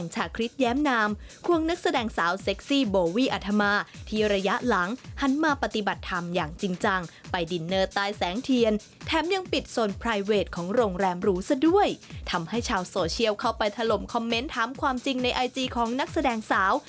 จะเป็นอย่างไรติดตามได้ค่ะ